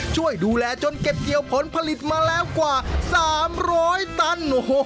ช่วยดูแลจนเก็บเกี่ยวผลผลิตมาแล้วกว่า๓๐๐ตัน